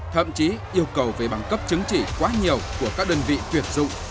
thậm chí yêu cầu về bằng cấp chứng chỉ quá nhiều của các đơn vị tuyển dụng